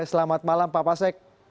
selamat malam pak sek